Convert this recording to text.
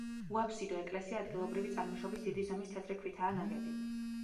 უაბსიდო ეკლესია ადგილობრივი წარმოშობის დიდი ზომის თეთრი ქვითაა ნაგები.